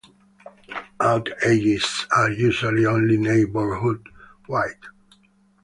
Outages are usually only neighborhood wide